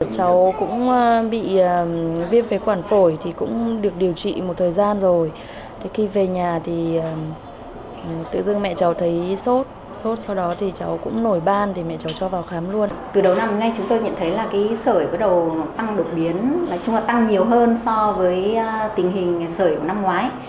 sởi bắt đầu tăng độc biến tăng nhiều hơn so với tình hình sởi năm ngoái